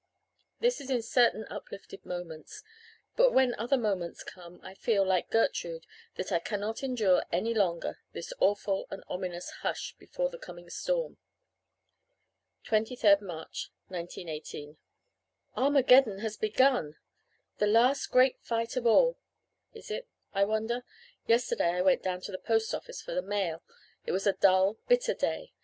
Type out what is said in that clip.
This is in certain uplifted moments; but when other moments come I feel, like Gertrude, that I cannot endure any longer this awful and ominous hush before the coming storm." 23rd March 1918 "Armageddon has begun! 'the last great fight of all!' Is it, I wonder? Yesterday I went down to the post office for the mail. It was a dull, bitter day.